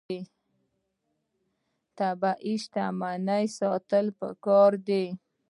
طبیعي شتمنۍ ساتل پکار دي.